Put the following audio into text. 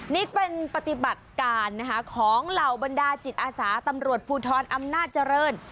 นี่เป็นปฏิบัติการนะคะของเหล่าบรรดาจิตอาสาตำรวจภูทรอำนาจเจริญ